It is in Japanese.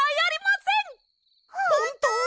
ほんと？